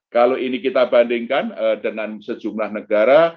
kalau ini kita bandingkan dengan sejumlah negara